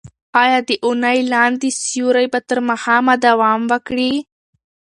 ایا د ونې لاندې سیوری به تر ماښامه دوام وکړي؟